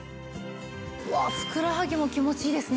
うわふくらはぎも気持ちいいですね。